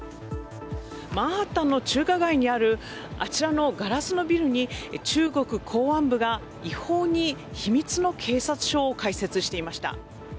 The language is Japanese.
マンハッタンの中華街にあるあちらのガラスのビルに中国公安部が違法に秘密の警察署を開設していました。